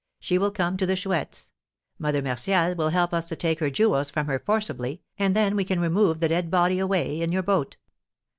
She will come to the Chouette's; Mother Martial will help us to take her jewels from her forcibly, and then we can remove the dead body away in your boat."